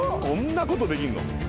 こんなことできるの？